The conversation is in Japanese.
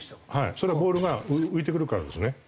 それはボールが浮いてくるからですね。